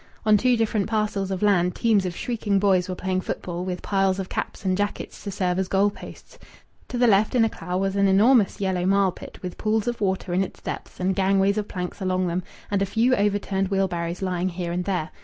On two different parcels of land teams of shrieking boys were playing football, with piles of caps and jackets to serve as goal posts. To the left, in a clough, was an enormous yellow marlpit, with pools of water in its depths, and gangways of planks along them, and a few overturned wheelbarrows lying here and there.